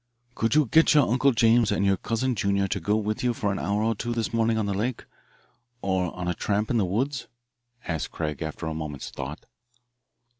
"Could you get your Uncle James and your Cousin Junior to go with you for an hour or two this morning on the lake, or on a tramp in the woods?" asked Craig after a moment's thought.